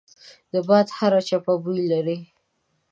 د باد هره چپه بوی لري